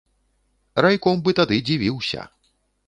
Райком бы тады дзівіўся.